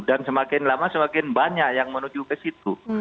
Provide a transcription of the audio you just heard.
dan semakin lama semakin banyak yang menuju ke situ